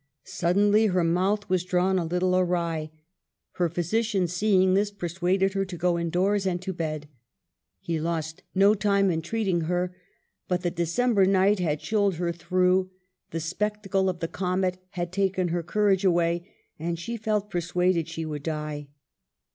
Suddenly her mouth was drawn a little awry. Her physician, seeing this, per suaded her to go indoors, and to bed. He lost no time in treating her; but the December night had chilled her through ; the spectacle of the comet had taken her courage away, and she felt persuaded she would die.